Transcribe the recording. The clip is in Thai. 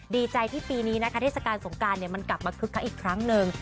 ดีใจที่ปีนี้นะคะเทศกาลสงการมันกลับมาคึกคักอีกครั้งหนึ่ง